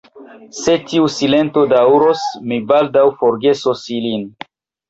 Se tiu silento daŭros, mi baldaŭ forgesos ilin.